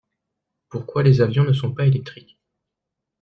Pourquoi les avions ne sont pas électriques?